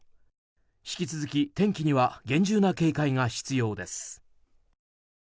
引き続き、天気には厳重な警戒が必要です。